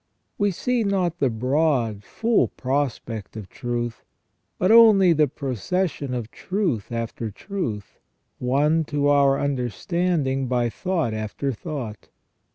We see not the broad, full prospect of truth, but only the procession of truth after truth, won to our understanding by thought after thought.